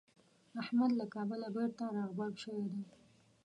احمد له کابله بېرته راغبرګ شوی دی.